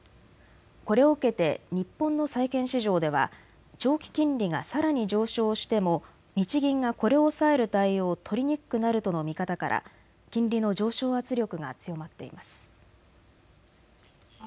これを受けて日本の債券市場では長期金利がさらに上昇しても日銀がこれを抑える対応を取りにくくなるとの見方から金利の上昇圧力が強まっています。